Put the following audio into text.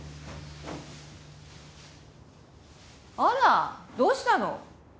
あらどうしたの？